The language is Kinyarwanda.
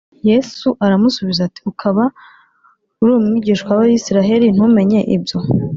Yesu aramusubiza ati, “Ukaba uri umwigisha w’Abisiraheli ntumenye ibyo?